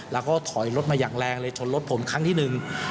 แล้วก็ถอยรถมาอย่างแรงเลยชนรถผมครั้งที่หนึ่ง